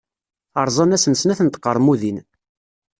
Rẓan-asen snat n tqermudin.